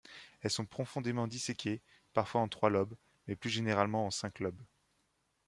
Elles sont profondément disséquées, parfois en trois lobes, mais plus généralement en cinq lobes.